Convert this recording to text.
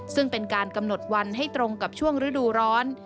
ซึ่งเป็นการกำหนดวันให้ตรงกับช่วงฤดูร้อน